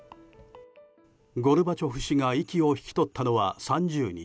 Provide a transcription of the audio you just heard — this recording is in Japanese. ゴルバチョフ氏が息を引き取ったのは３０日。